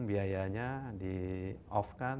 biayanya di off kan